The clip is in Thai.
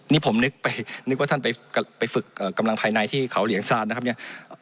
นี่ผมนึกไปนึกว่าท่านไปฝึกกำลังภายในที่เขาเหลียงซานนะครับเนี่ย